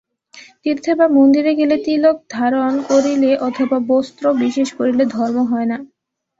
তীর্থে বা মন্দিরে গেলে, তিলকধারণ করিলে অথবা বস্ত্রবিশেষ পরিলে ধর্ম হয় না।